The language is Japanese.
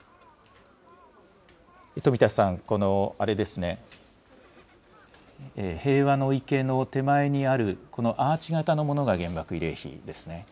富田さん、この平和の池の手前にあるこのアーチ型のものが原爆慰霊碑ですね。